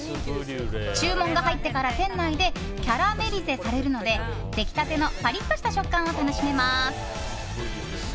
注文が入ってから店内でキャラメリゼされるのでできたてのパリッとした食感を楽しめます。